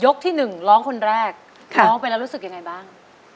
ที่๑ร้องคนแรกร้องไปแล้วรู้สึกยังไงบ้าง